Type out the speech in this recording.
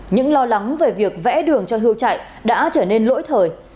những lo lắng về việc vẽ đường cho hưu chạy đã trở nên lỗi thời